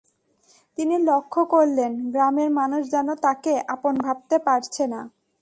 তিনি লক্ষ করলেন, গ্রামের মানুষ যেন তাকে আপন ভাবতে পারছে না।